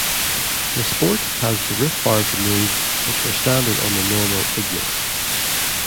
The Sport has the roof bars removed which were standard on the normal Ignis.